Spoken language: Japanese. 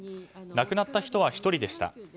亡くなった人は１人でした。